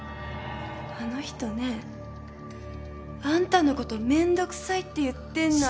あの人ねあんたのことめんどくさいって言ってんのよ。